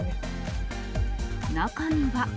中には。